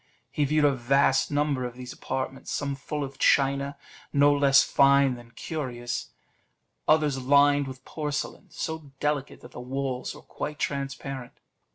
He viewed a vast number of these apartments, some full of china, no less fine than curious; others lined with porcelain, so delicate, that the walls were quite transparent.